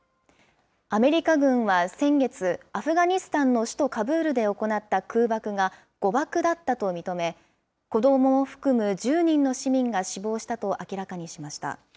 アメリカ軍は先月、アフガニスタンの首都カブールで行った空爆が誤爆だったと認め、子どもを含む１０人の市民が死亡したと明らかにしました。